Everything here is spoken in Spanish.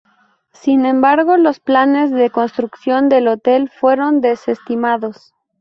Sin embargo los planes de construcción del hotel fueron desestimados.